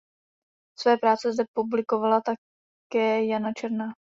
Své práce zde publikovala také Jana Černá.